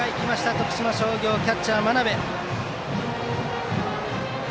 徳島商業のキャッチャー、真鍋。